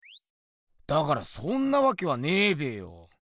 だからそんなわけはねえべよ。